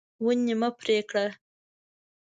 ونې مه پرې کړه.